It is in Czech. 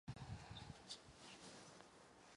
Dvakrát se snažil získat hrabství Toulouse.